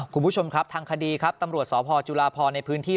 คุณผู้ชมครับทางคดีครับตำรวจสพจุลาพรในพื้นที่